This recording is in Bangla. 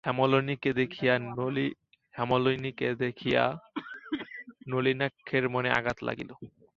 হেমনলিনীকে দেখিয়া নলিনাক্ষের মনে আঘাত লাগিল।